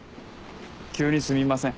急にすみません。